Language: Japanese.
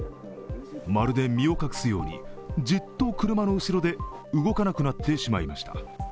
まるで身を隠すようにじっと車の後ろで動かなくなってしまいました。